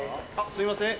すいません。